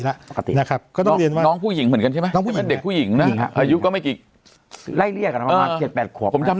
ระยะเรียกใช่ประมาณ๗๘ขวบ